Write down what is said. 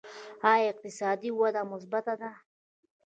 آیا اقتصادي وده مثبته ده؟